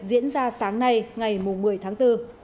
diễn ra sáng nay ngày một mươi tháng bốn